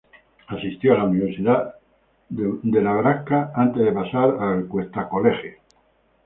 Asistió a la Universidad de Nebraska, antes de pasar a Cuesta College.